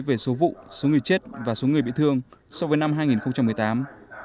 về số vụ số người chết và số người bị thương so với năm hai nghìn một mươi tám